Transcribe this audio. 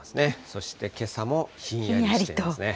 そしてけさもひんやりしていますね。